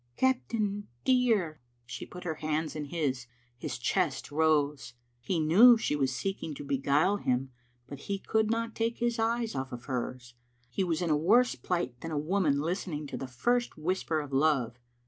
"Captain dear." She put her hand in his. His chest rose. He knew she was seeking to beguile him, but he could not take his eyes oflE hers. He was in a worse plight than a woman listening to the first whisper of love.